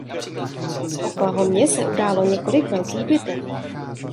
V Oklahomě se událo několik velkých bitev.